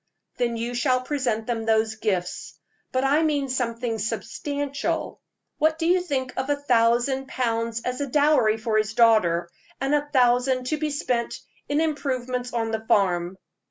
"Then you shall present them those gifts. But I mean something substantial. What do you think of a thousand pounds as a dowry for his daughter, and a thousand to be spent in improvements on the farm?"